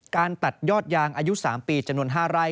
การตัดยอดยางอายุ๓ปีจำนวน๕ไร่